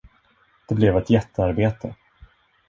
Det blev ett jättearbete.